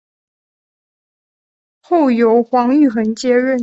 后由黄玉衡接任。